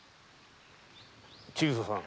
千草さん。